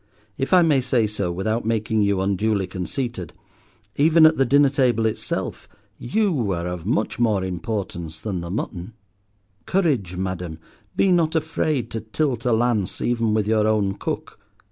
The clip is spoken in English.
If I may say so without making you unduly conceited, even at the dinner table itself, you are of much more importance than the mutton. Courage, Madam, be not afraid to tilt a lance even with your own cook.